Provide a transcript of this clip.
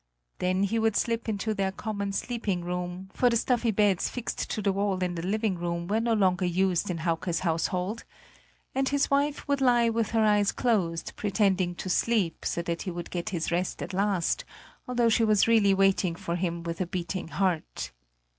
Then he would slip into their common sleeping room for the stuffy beds fixed to the wall in the living room were no longer used in Hauke's household and his wife would lie with her eyes closed, pretending to sleep, so that he would get his rest at last, although she was really waiting for him with a beating heart.